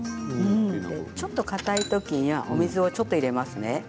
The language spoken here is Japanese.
ちょっとかたいときにはお水をちょっと入れますね。